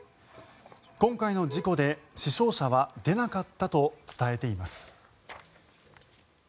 今回の事故で死傷者は出なかったと伝えています。